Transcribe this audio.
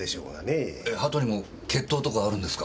え鳩にも血統とかあるんですか？